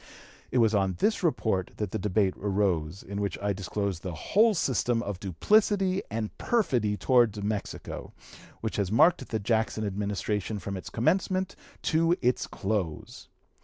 It was on this report that the debate arose, in which I disclosed the whole system of duplicity and perfidy towards Mexico, which had marked the Jackson Administration from its commencement to its close.